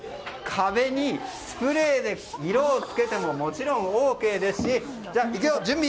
壁にスプレーで色を付けてももちろんＯＫですしじゃあ、いくよ！